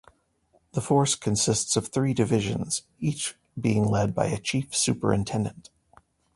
The force consists of three divisions, each being led by a chief superintendent.